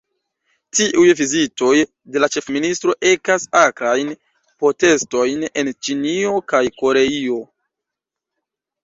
Tiuj vizitoj de la ĉefministro ekas akrajn protestojn en Ĉinio kaj Koreio.